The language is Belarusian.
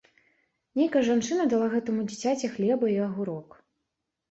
Нейкая жанчына дала гэтаму дзіцяці хлеба і агурок.